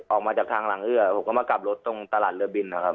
ออกมาจากทางหลังเอื้อผมก็มากลับรถตรงตลาดเรือบินนะครับ